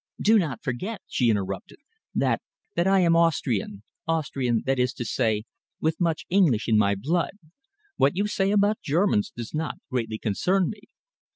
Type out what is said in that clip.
"Do not forget," she interrupted, "that I am Austrian Austrian, that is to say, with much English in my blood. What you say about Germans does not greatly concern me."